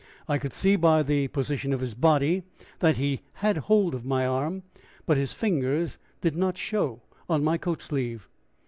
I could see by the position of his body that he had hold of my arm, but his fingers did not show on my coat sleeve.